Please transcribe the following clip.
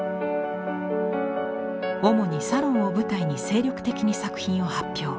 主にサロンを舞台に精力的に作品を発表。